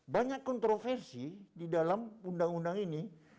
banyak kontroversi di dalam undang undang ini